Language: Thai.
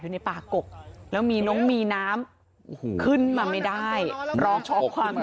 อยู่ในป่ากกแล้วมีน้องมีน้ำขึ้นมาไม่ได้ร้องช็อกความ